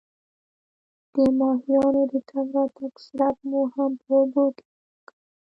د ماهیانو د تګ راتګ څرک مو هم په اوبو کې ولګاوه.